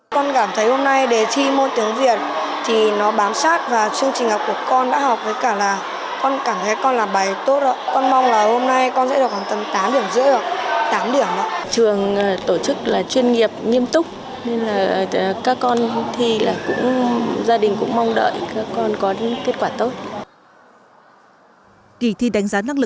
kỳ thi đánh giá năng lực đầu vào lớp sáu là một trong những kỳ thi ban đầu